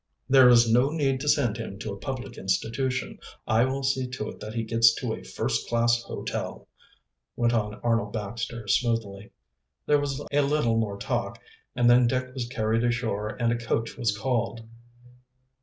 "There is no need to send him to a public institution. I will see to it that he gets to a first class hotel," went on Arnold Baxter smoothly. There was a little more talk, and then Dick was carried ashore and a coach was called.